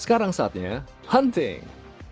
sekarang saatnya hunting